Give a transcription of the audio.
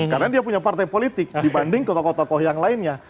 karena dia punya partai politik dibanding tokoh tokoh yang lainnya